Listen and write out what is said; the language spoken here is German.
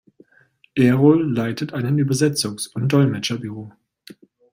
Erol leitet einen Übersetzungs- und Dolmetscherbüro.